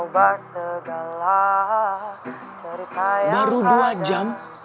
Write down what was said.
baru dua jam